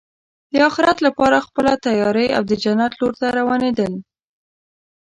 د اخرت لپاره خپله تیاری او د جنت لور ته روانېدل.